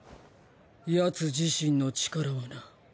ヤツ自身の力はな。